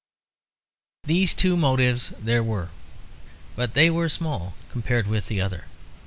These two motives there were, but they were small compared with the other.